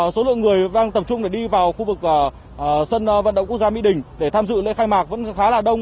số lượng người đang tập trung để đi vào khu vực sân vận động quốc gia mỹ đình để tham dự lễ khai mạc vẫn khá là đông